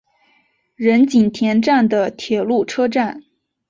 仁井田站的铁路车站。